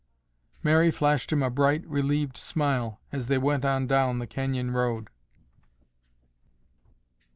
Mary flashed him a bright, relieved smile as they went on down the canyon road.